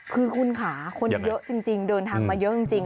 คือคุณค่ะคนเยอะจริงเดินทางมาเยอะจริง